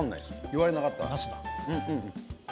言われなかったら。